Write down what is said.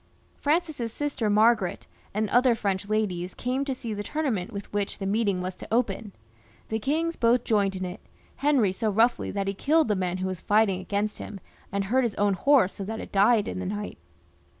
Francis's sister Margaret and other French ladies came to see the tournament with which the meeting was to open. The kings both joined in it, Henry so roughly that he killed the man who was fighting against him, and hurt his own horse so that it died in the night.